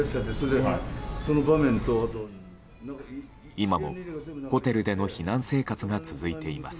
今もホテルでの避難生活が続いています。